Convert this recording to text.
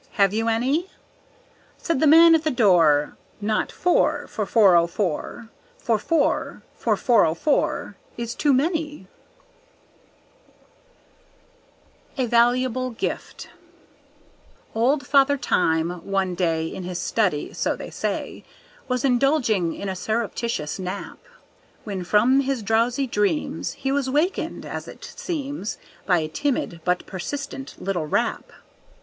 Have you any?" Said the man at the door: "Not four for 4.04, For four for 4.04 is too many." A Valuable Gift Old Father Time, one day In his study, so they say, Was indulging in a surreptitious nap, When from his drowsy dreams He was wakened, as it seems, By a timid but persistent little rap.